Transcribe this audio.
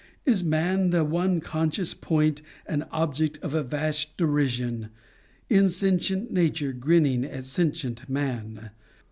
is man the one conscious point and object of a vast derision insentient nature grinning at sentient man!